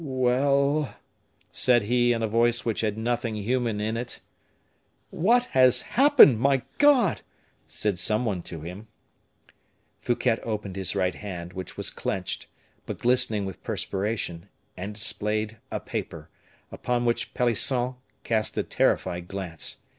"Well," said he, in a voice which had nothing human in it. "What has happened, my God!" said some one to him. Fouquet opened his right hand, which was clenched, but glistening with perspiration, and displayed a paper, upon which Pelisson cast a terrified glance.